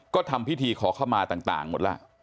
ก็ทำพิธีขอเข้ามาต่างหมดแล้ว